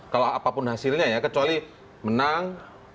kalau apapun hasilnya ya kecuali menang